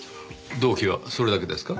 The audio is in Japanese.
動機はそれだけですか？